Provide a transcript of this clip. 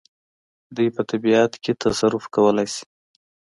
دوی په طبیعت کې تصرف کولای شي.